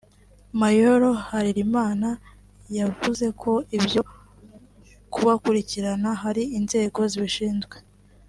Mayor Harerimana yavuze ko ‘ibyo kubakurikirana hari inzego zibishinzwe’